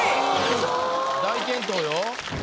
大健闘よ。